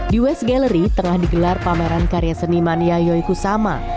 di west gallery tengah digelar pameran karya seniman yayoi kusama